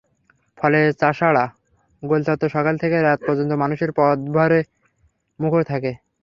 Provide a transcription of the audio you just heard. ফলে চাষাঢ়া গোলচত্বর সকাল থেকে রাত পর্যন্ত মানুষের পদভারে মুখর থাকে।